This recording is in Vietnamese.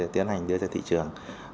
tiến hành đưa ra thị trường